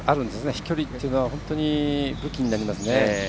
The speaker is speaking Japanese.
飛距離というのは本当に武器になりますね。